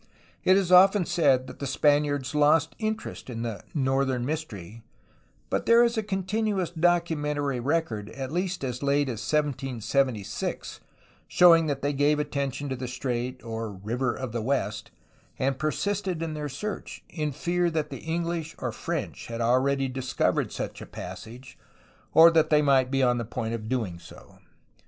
It is often said that the Spaniards lost interest in the ' 'northern mystery, '^ but there is a continuous documentary record, at least as late as 1776, showing that they gave atten tion to the strait, or ''river of the west," and persisted in their search, in fear that the English or French had already discovered such a passage or that they might be on the point of doing so.